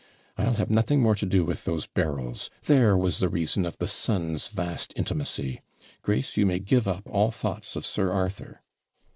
I'll have nothing more to do with those Berryls there was the reason of the son's vast intimacy. Grace, you may give up all thoughts of Sir Arthur.'